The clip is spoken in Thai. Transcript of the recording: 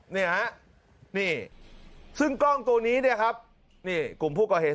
นี่ฮะนี่ซึ่งกล้องตัวนี้เนี่ยครับนี่กลุ่มผู้ก่อเหตุ